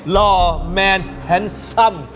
รอแมนแฮนซ้ำ